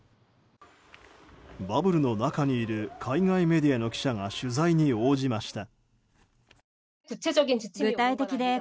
バブルの中にいる海外メディアの記者が取材に応じました。